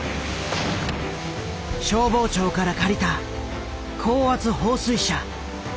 消防庁から借りた高圧放水車。